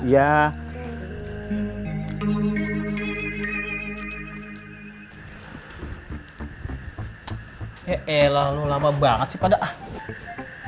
ya elah lu lama banget sih pada ah